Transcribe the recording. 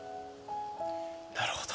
なるほど。